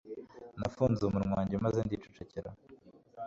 nafunze umunwa wanjye maze ndicecekera